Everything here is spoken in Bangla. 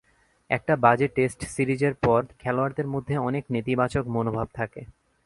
একটা বাজে টেস্ট সিরিজের পর খেলোয়াড়দের মধ্যে অনেক নেতিবাচক মনোভাব থাকে।